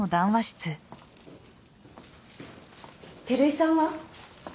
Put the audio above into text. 照井さんは？